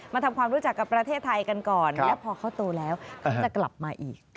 ทำความรู้จักกับประเทศไทยกันก่อนและพอเขาโตแล้วก็จะกลับมาอีก